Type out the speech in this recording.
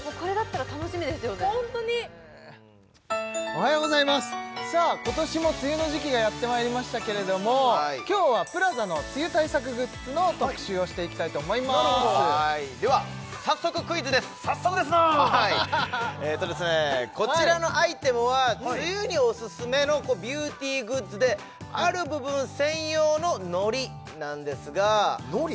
おはようございますさあ今年も梅雨の時期がやってまいりましたけれども今日はＰＬＡＺＡの梅雨対策グッズの特集をしていきたいと思いますでは早速クイズです早速ですなえとですねこちらのアイテムは梅雨にオススメのビューティーグッズである部分専用ののりなんですがのり！？